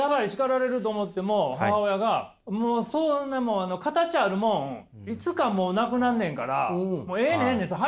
叱られる！と思っても母親が「もうそんなもん形あるもんいつかもう無くなるねんからもうええんねんええねん。